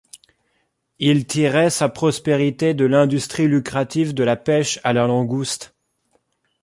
Il tirait sa prospérité de l'industrie lucrative de la pêche à la langouste.